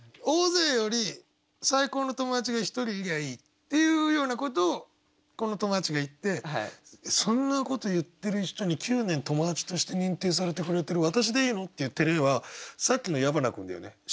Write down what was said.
大勢より最高の友達が１人いりゃいいっていうようなことをこの友達が言ってそんなこと言ってる人に九年友達として認定されてくれてる「わたしでいいの？」って言ってる絵はさっきの矢花君だよね。